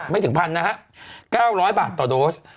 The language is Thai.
ไม่ถึง๑๐๐นะฮะ๙๐๐บาทต่อโดส